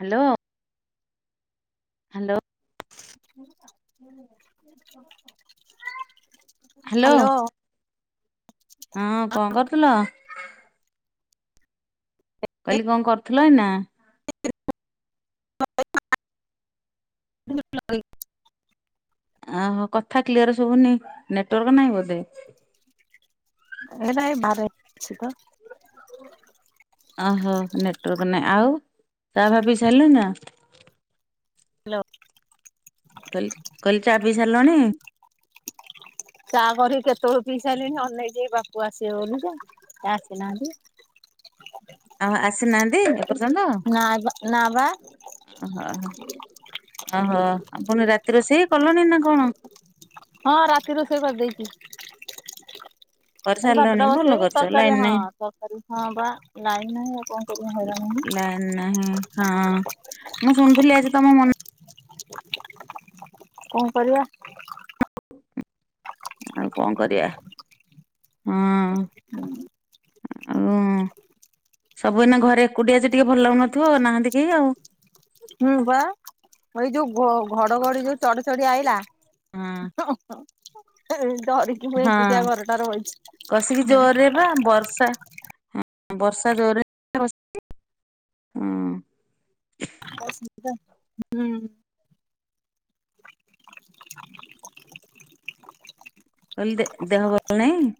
Hello. Hello. Hello. Hello ହଁ କଣ କରୁଥିଲ? କହିଲି କଣ କରୁଥିଲ ଏଇନା? [inaudible] [inaudible] ଆହୋ କଥା କ୍ଲିୟର ଶୁବୁନି ନେଟୱର୍କ ନାହିଁ ବୋଧେ? ଏଇ ନାଇଁ ବାହାରେ ଅଛି ତ। ଅହୋ ନେଟୱର୍କ ନାଇଁ ଆଉ ଚାହା ଫା ପିଇ ସାରିଲଣି ନା? ହାଲୋ। କହିଲି କହିଲି ଚା ପିଇ। ସାରିଲଣି? ଚା କରିକି କେତେବଳୁ ପିଇସାରିଲିଣିି ଅନେଇଚି ଏଇ ବାପୁ ଆସିବେବୋଲି ତ କା ଆସିନାହାନ୍ତି। ଓ ଆସିନାହାନ୍ତି ଏପର୍ଯ୍ୟନ୍ତ? ନା ବା ନା ବା। ଅହ ହ ଅହ ଆପଣ ରାତି ରୋଷେଇ କଲଣି ନା କଣ? ହଁ ରାତି ରୋଷେଇ କରିଦେଇଚି। ଖାଲି କରିସାରିଲଣି ଭାତଟା ଭଲ ବସେଇବି କରିଛ ଲାଇନ ତରକାରୀ ହଁ ନାହିଁ ତରକାରୀ ହଁ ବା ଲାଇନ୍ ନାହିଁ ଆଉ କଣ। କରିବା ହଇରାଣ ହେଲି। ଲାଇନ୍ ନାହିଁ ହଁ ମୁଁ ଶୁଣୁଥିଲି ଆଜି ତମ ମନ। କଣ କରିବା। ଆଉ କଣ କରିବା ହଁ। ଆଉଁ ସବୁଦିନ ଘରେ ଏକୁଟିଆ ଯେ ଟିକେ ଭଲ ଲାଗୁନଥିବ ନାହାନ୍ତି କେହି ଆଉ। ହୁଁ ବା ଏଇଯୋଉ ଘ ଘଡଘଡି ଯୋଉ ଚଢଚଡି ଆଇଲା ହଁ ହଁ ଏଇ ଡରିକି। ମୁଁ ହଁ ଏକୁଟିଆ ଘରଟାରେ ବଇଛି। କସିକି ଜୋରେ ପା ବର୍ଷା। ହଁ ବର୍ଷା ଜୋରରେ [unintelligible] ହଁ। [unintelligible] ହୁଁ। କହିଲି ଦେ ଦେହ ଭଲ ନାହିଁ?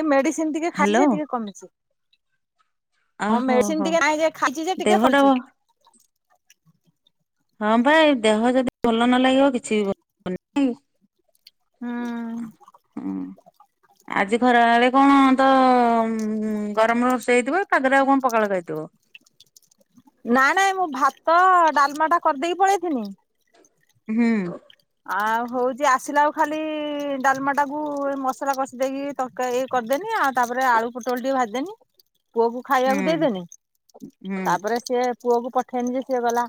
ଏ ମେଡିସିନ୍ ଟିକେ ଖାଇଚି ହ୍ୟାଲୋ ଯେ ଟିକେ କମିଛି। ହଁ ଓହୋ ମେଡିସିନ୍ ହୋ ଟିକେ କାଇଁରେ ଖାଇଛି ଯେ ଟିକେ ଦେହଟା କମିଚି। ହଁ ହଁ ପା ଏଇ ଦେହ ଯଦି ଭଲ ନ ଲାଗିବ କିଛି ବି ଭଲଲାଗିବନି କି। ହୁଁ ଅ ହୁଁ। ଆଜି ଖରାବଳେ କଣ ତ ଗରମ ରୋଷେଇ ହେଇଥିବ ପାଗରେ ଆଉ କଣ ପଖାଳ ଖାଇଥିବ। ନା ନାଇଁ ମୁଁ ଭାତ ଡାଲମା ଟା କରିଦେଇକି ପଳେଇଥିନି। ହୁଁ। ଆଉ ହଉଚି ଆସିଲେ ଆଉ ଖାଲି ଡାଲମାଟାକୁ ମସଲା କଷି ଦେଇକି। ତରକାରି କରଦେନି ଆଉ ତାପରେ ଆଳୁ ପୋଟଳ ଟିକେ ଭାଜିଦେନି ପୁଅକୁ। ଖାଇବାକୁ ହୁଁ ଦେଇଦେନି ହୁଁ ତାପରେ ସିଏ। ପୁଅ କୁ ପଠେଇନି ଯେ ସିଏ ଗଲା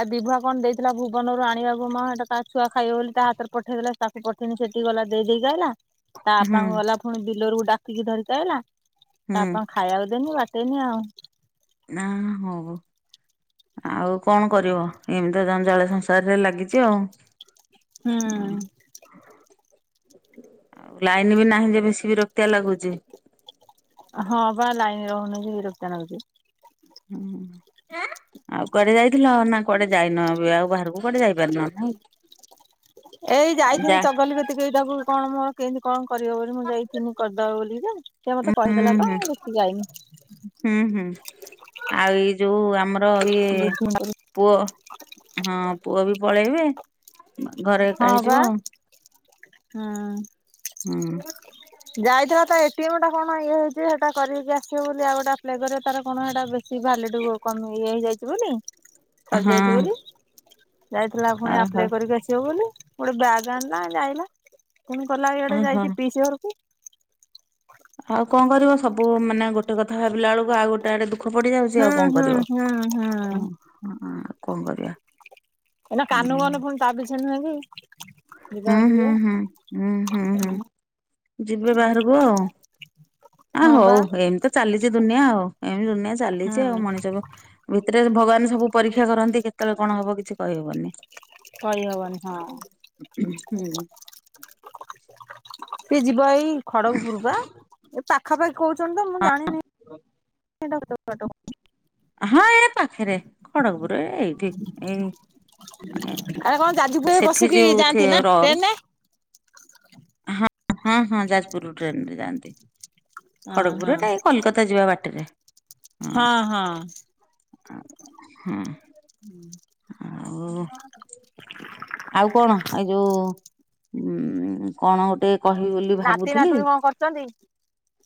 ଆ ବିଭୁଆ କଣ ଦେଇଥିଲା ଭୁବନରୁ ଆଣିବାକୁ ମ ହେଟା। ତା ଛୁଆ ଖାଇବ ବୋଲି ତା ହାତରେ ପଠେଇଦେଲା ତାକୁ ପଠେଇନି ସେଠିକି ଗଲା ଦେଇଦେଇକି ଆଇଲା ତା ହୁଁ ବାପାଙ୍କୁ ଗଲା। ପୁଣି ବିଲରୁ ଡାକିକି ଧରିକି ଆଇଲା। ହୁଁ ତାପ ଖାଇବାକୁ ଦେନି ବାଟେଇନି ଆଉ। ନାଁ ହଉ। ଆଉ କଣ କରିବ ଏମିତି ଜଞ୍ଜାଳ ସଂସାରରେ ଲାଗିଛି ଆଉ। ହୁଁ। ଆଉ ଲାଇନ ବି ନାହିଁ ଯେ ବେଶୀ ବିରକ୍ତିଆ ଲାଗୁଛି। ହଁ ପା ଲାଇନ ରହୁନି ଯେ ବିରକ୍ତିଆ ଲାଗୁଛି। ହୁଁ। ଆଉ କୁଆଡେ ଯାଇଥିଲ ନା କଆଡେ ଯାଇନ ଏବେ ଆଉ ବାହାରକୁ କୁଆଡେ ଯାଇପାରିନ ନା ଏଇ ଯାଇଥିନି ଚଗଲି କତିକି ଏଇ ତାକୁ କଣ ମୋର କେମିତି କଣ କରିବ ବୋଲି ମୁଁ ଯାଇଥିଲି କରିଦବ ବୋଲିକି ଯେ ସିଏ ମତେ ଉଁ ହୁଁ କହିଦେଲା ତ ହୁଁ ଦେଖି ଯାଇନି ହୁଁ ହୁଁ ଆଉ ଏଇ ଯୋଉ ଆମର ଇଏ ବୁଝିନି ପୁଅ ହଁ ପୁଅ ବି ପଳେଇବେ ଘରେ ଏକା ବା ହେଇଯିବ ଆଉ। ହଁ। ହୁଁ। ଯାଇଥିଲା ତା ଏଟି ଏମ୍ ଟା କଣ ଇଏ ହେଇଛି ଯେ ହେଟା କରକି ଆସିବ ବୋଲି ଆଉ ଗୋଟେ ଆପ୍ଲାଏ କରିବ ତାର କଣ ହେଟା ବେଶୀ ଭ୍ୟାଲିଡ କମ ଇଏ ହେଇଯାଇଛି ବୋଲି ହଁ ସରିଯାଇଛି ବୋଲି ଯାଇଥିଲା ପୁଣି ଓହୋ। ଆପ୍ଲାଏ କରିକି ଆସିବ ବୋଲି ଗୋଟେ ବ୍ୟାଗ ଆଣିଲା ଆଇଲା। ପୁଣି ଗଲା ଇଆଡେ ଓହୋ ଯାଇଛି ପିଇସି ଘରକୁ। ଆଉ କଣ କରିବ ସବୁ ମାନେ ଗୋଟେ କଥା ଭାବିଲା ବେଳକୁ ଆଉ ଗୋଟେ ଗୋଟେ ଆଡେ ଦୁଃଖ ପଡିଯାଉଛି ହୁଁ ଆଉ କଣ ହୁଁ କରିବ ହୁଁ ହୁଁ ହଁ ଏଇନା ଆଉ କଣ କରିବା। ଏ ନା ହୁଁ କାନୁ କାନୁ ପୁଣି ତା ପିଛା ନୁହେଁ କି? ହୁଁ ଯିବା ହୁଁ ହୁଏ ହୁଁ ହୁଁ ହୁଁ ହୁଁ ଯିବେ ବାହାରକୁ ଆଉ। ଆ ହଁ ହଉ ବା ଏମିତି ତ ଚାଲିଛି ଦୁନିଆ ଆଉ ଏମତି ଦୁନିଆ ଚାଲିଛି ଆଉ ହୁଁ ମଣିଷ ଭିତରେ ଭଗବାନ ସବୁ ପରୀକ୍ଷା କରନ୍ତି କେତେବେଳେ କଣ ହବ କିଛି କହିହବନି। କଇହବନି ହଁ। ହୁଁ। ସେ ଯିବ ଏଇ ଖଡଗପୁର ବା ଏ ପାଖ ପାଖାପାଖି କହୁଛନ୍ତି ତ ମୁଁ ଜାଣିନି [unintelligible] ହଁ ଏ ପାଖରେ ଖଡଗପୁର ଏଇଠି ଏଇ ଆରେ କଣ ଯାଜୁପୁରରୁ ସେଠି ବସିକି ଯୋଉଥି ଯାଆନ୍ତି ନା ର ଟ୍ରେନରେ? ହଁ ହଁ ହଁ ଯାଜପୁରରୁ ଟ୍ରେନ ରେ ଯାଆନ୍ତି। ହଁ ଖଡ଼ଗପୁର ଟା ଏଇ କୋଲକତା ଯିବା ବାଟରେ। ହଁ ହଁ। ହୁଁ। ହୁଁ ଆଉ ଆଉ କଣ ଏଇ ଯୋଉ ଉଁ କଣ ଗୋଟେ କହିବି ବୋଲି ନାତି ଭାବୁଥିଲି? ନାତୁଣୀ କଣ କରୁଛନ୍ତି?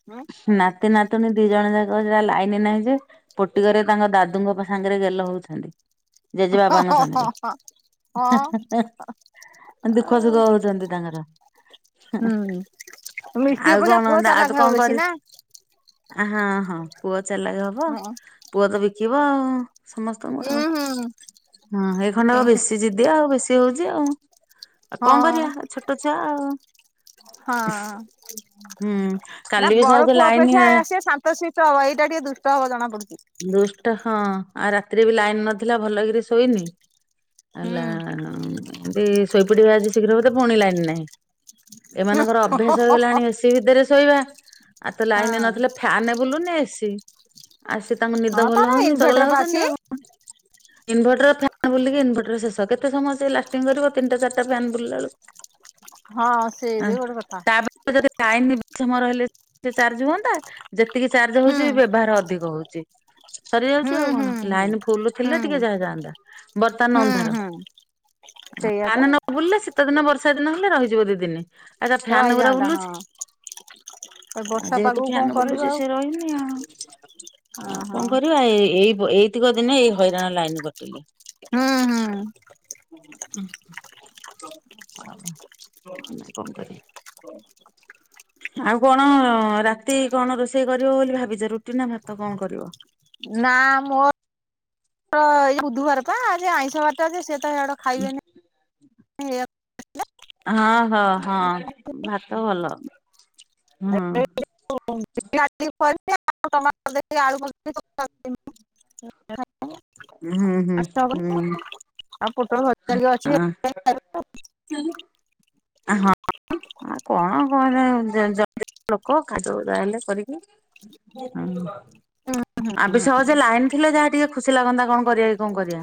ହଁ ନାତି ନାତୁଣୀ ଦି ଜଣ ଯାକ ଯାହା ଲାଇନ ନାହିଁ ଯେ ପୋଟିକରେ ତାଙ୍କ ଦାଦୁଙ୍କ ସାଙ୍ଗରେ ଗେଲ ହଉଛନ୍ତି। ଜେଜେବାବାଙ୍କ ହଁ ହଁ ସାଙ୍ଗରେ ହଁ ହେଁ ହେଁ। ଦୁଃଖ ହଁ। ସୁଖ ହଉଛନ୍ତି ତାଙ୍କର। ହୁଁ ମିଟି ଆଉ ଅପେକ୍ଷା କଣ ପୁଅ ଚାଲାକ ହବ ବେଶୀ ନାଁ? ଆ ହଁ ହଁ ପୁଅ ଚାଲାକ ହବ ହଁ ପୁଅ ତ ବିକିବ ଆଉ ସମସ୍ତଙ୍କୁ ହୁଁ ଆଉ। ହୁଁ। ହଁ ହେଇ ଖଣ୍ଡକ ବେଶୀ ଯିଦିଆ ଆଉ ବେଶୀ ହଉଛି ଆଉ। ଆଉ କଣ ହଁ କରିବା ଛୋଟ ଛୁଆ ଆଉ। ହଁ। ହୁଁ କାଲିବି ସହଯେ ଲାଇନ ଶିଷ୍ଟ ହବ ଏଇଟା ଟିକେ ଦୁଷ୍ଟ ହବ ଜଣା ପଡୁଛି। ଦୁଷ୍ଟ ହଁ ଆଉ ରାତିରେ ବି ଲାଇନ ନଥିଲା ଭଲ କିରି ଶୋଇନି। ଆ ଲା ହୁଁ। ଏ ଶୋଇପଡିବ ଆଜି ଶୀଘ୍ର ବଧେ ପୁଣି ଲାଇନ୍ ନାହିଁ। ଏମାନଙ୍କର ଅଭ୍ୟାସ ହଁ ହେଇଗଲାଣି ଏସି ଭିତରେ ଶୋଇବା, ଆଉ ତ ଲାଇନ ନଥିଲେ ଫ୍ୟାନ ବୁଲୁନି ଏସି, ଆସେ ତାଙ୍କୁ ନିଦ ହଁ ଭଲ ତାର ହଉନି ଚଗଲା ଇନଭେଟର ପା ହଉଛନ୍ତି ଅଛି। ଆଉ। ଇନଭର୍ଟର ଫ୍ୟାନ୍ ବୁଲିକି ଇନଭର୍ଟର ଶେଷ, କେତେ ସମୟ ସେ ଲାଷ୍ଟିଙ୍ଗ କରିବ ତିନିଟା ଚାରିଟା ଫ୍ୟାନ୍ ବୁଲିଲା ବେଳକୁ? ହଁ ଆ ସେବି ଗୋଟେ କଥା। ଯଦି ଲାଇନ୍ ବେଶୀ ସମୟ ରହିଲେ ସେ ଚାର୍ଜ ହୁଅନ୍ତା। ଯେତିକି ଚାର୍ଜ ହୁଁ ହଉଛି ବ୍ୟବହାର ଅଧିକ ହଉଛି। ହୁଁ ସରିଯାଉଛି ଆଉ ହୁଁ କଣ ହୁଁ ଲାଇନ ଫୁଲ ହୁଁ ଥିଲେ ଟିକେ ଯାହା ଯାଆନ୍ତା, ବର୍ତ୍ତମାନ ହୁଁ ଅନ୍ଧାର। ହୁଁ ସେଇଆ ତ ଫ୍ୟାନ ନ ବୁଲିଲେ ଶୀତ ଦିନ ବର୍ଷା ଦିନ ହେଲେ ରହିଯିବ ଦିଦିନ। ଏରା ଫ୍ୟାନ୍ ଗୁରା ରହିଯାଆନ୍ତା ହଁ ବୁଲୁଛି। ଏ ଆଉ ବର୍ଷା ଯେହେତୁ ପାଗକୁ କଣ ଫ୍ୟାନ କରିବ ବୁଲୁଛି ଆଉ ସେ ରହିନି ଆଉ। ଅ ଆଉ କଣ ହଁ କରିବା ଏ ଏଇ ଏଇତିକ ଦିନେ ଏଇ ହଇରାଣ ଲାଇନ କଟିଲେ। ହୁଁ ହୁଁ। କଣ କରି। [unintelligible] ଆଉ କଣ ରାତିକି କଣ ରୋଷେଇ କରିବ ବୋଲି ଭାବିଛ ରୁଟି ନା ଭାତ କଣ କରିବ? ନା ମୋ ଏଇ ବୁଧବାର ପା ଆଇଁଷ ବାରା ଟା ଯେ ସେତ ହେଇଆଡ ଖାଇବେନି। ହଁ ହଁ ହଁ ଭାତ ଭଲ ହୁଁ। [unintelligible] ଆଳୁ ଟମାଟ ଦେଇକି। [unintelligible] ଆଉ ପୋଟଳ ହୁଁ ହୁଁ ଭଜା ହୁଁ ଟିକେ ଅଛି ହେଥିରେ ଖାଇଦବୁ। ହୁଁ। ହଁ। ଆ କଣ କଣ ଜଣେ ଲୋକ ଖାଇଦବୁ ଜାହା ହେଲେ କରିକି। ହଁ। ଆବେ ସହଜେ ଲାଇନ୍ ଥିଲେ ଯାହା ଟିକେ ଖୁସି ଲାଗନ୍ତା କଣ କରିବା କି କଣ କରିବା।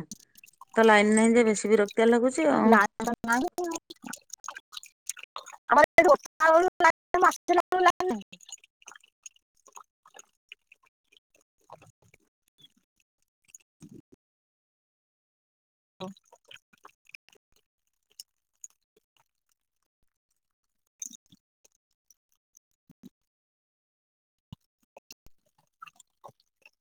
ତ ଲାଇନ ନାଇଯେ ବେଶୀ ବିରକ୍ତ ଆ ଲାଗୁଛି ଆଉ। ମ [unintelligible] ମ [unintelligible] [unintelligible]